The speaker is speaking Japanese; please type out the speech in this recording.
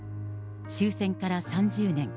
終戦から３０年。